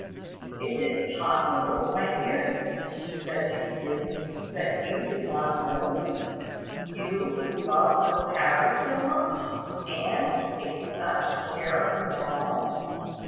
"Is it possible, my dear," she said to Hugh, "that you did not know this, you who love little Harry so much, and take such care of him at home?